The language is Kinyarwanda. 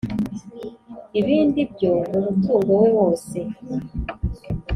ibindi byo mu mutungo we wose;